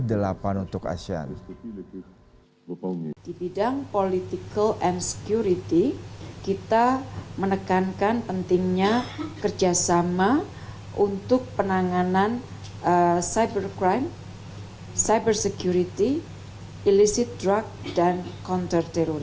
dan membuat asean menjadi negara yang lebih baik untuk asean